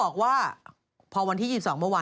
คือมันจะหง่อยอะ